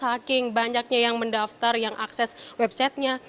haking banyaknya yang mendaftar yang akses website nya